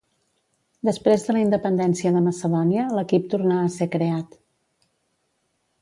Després de la independència de Macedònia l'equip tornà a ser creat.